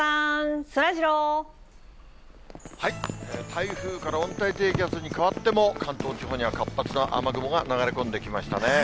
台風から温帯低気圧に変わっても、関東地方には活発な雨雲が流れ込んできましたね。